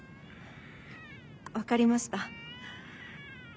分かりました。